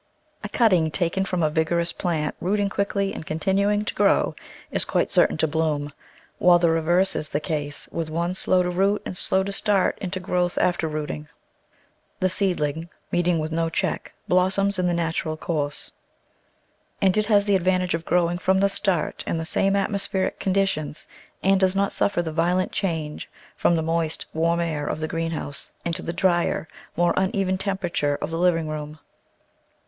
A cutting taken from a vigorous plant, rooting quickly, and continuing to grow, is quite certain to bloom — while the reverse is the case with one slow to root and slow to start into growth after rooting. The seedling, meeting with no check, blossoms in the natural course, and it has the ad* 61 Digitized by Google gmtggplantg ^ vantage of growing from the start in the same atmos pheric conditions, and does not suffer the violent change from the moist, warm air of the greenhouse into the dryer, more uneven temperature of the living room.